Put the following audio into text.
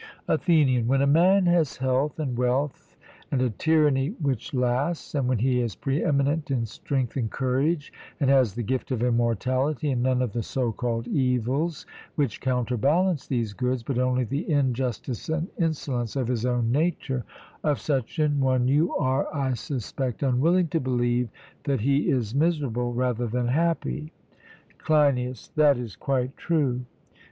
ATHENIAN: When a man has health and wealth and a tyranny which lasts, and when he is pre eminent in strength and courage, and has the gift of immortality, and none of the so called evils which counter balance these goods, but only the injustice and insolence of his own nature of such an one you are, I suspect, unwilling to believe that he is miserable rather than happy. CLEINIAS: That is quite true.